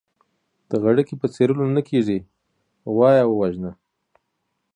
د غړکي په څيرلو نه کېږي ، غوا يې ووژنه.